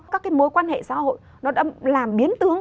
các cái mối quan hệ xã hội nó đã làm biến tướng